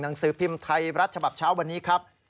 หนังสือพิมพ์ไทยรัฐฉบับเช้าวันนี้ครับ